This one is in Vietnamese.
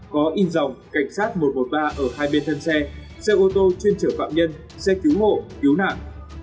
có in dòng cảnh sát một trăm một mươi ba ở hai bên thân xe xe ô tô chuyên chở phạm nhân xe cứu hộ cứu nạn